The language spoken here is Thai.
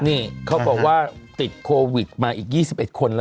นี่เขาบอกว่าติดโควิดมาอีก๒๑คนแล้ว